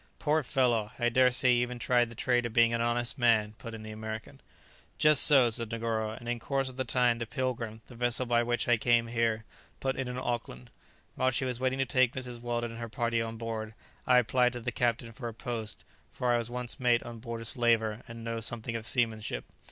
"Poor fellow! I daresay you even tried the trade of being an honest man," put in the American. "Just so," said Negoro, "and in course of time the 'Pilgrim,' the vessel by which I came here, put in at Auckland. While she was waiting to take Mrs. Weldon and her party on board, I applied to the captain for a post, for I was once mate on board a slaver, and know something of seamanship.